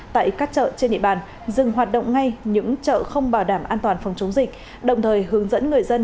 tại các chợ trên địa bàn dừng hoạt động ngay những chợ không bảo đảm an toàn phòng chống dịch đồng thời hướng dẫn người dân